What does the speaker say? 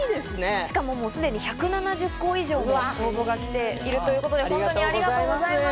しかもすでに１７０校以上の高校からきているということで本当にありがとうございます。